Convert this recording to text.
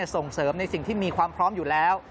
ส่งเสริมในสิ่งที่มีความพร้อมอยู่แล้ว